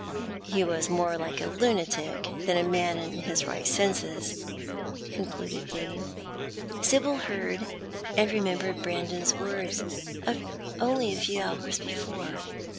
1 2 1 " He was more like a lunatic than a man in bis right senses," conchulcil Dane. Sibyl heard and remembered Brandon's words of only a few hours before.